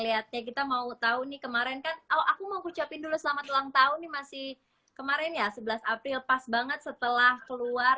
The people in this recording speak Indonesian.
lihatnya kita mau tahu nih kemarin kan aku mau ucapin dulu selamat ulang tahun nih masih kemarin ya sebelas april pas banget setelah keluar